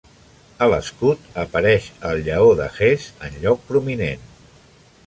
A l'escut apareix el lleó de Hesse en lloc prominent.